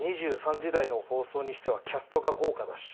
２３時台の放送にしてはキャストが豪華だし。